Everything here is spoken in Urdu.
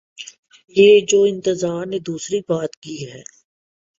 یہ جو انتظار نے دوسری بات کی ہے۔